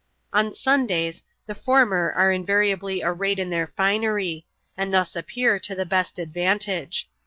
On Sundays, the former are invariaMy arrayed in their finery ; and thus appear to the best advantage.